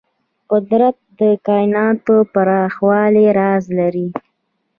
قدرت د کایناتو د پراخوالي راز لري.